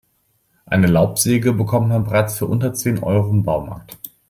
Eine Laubsäge bekommt man bereits für unter zehn Euro im Baumarkt.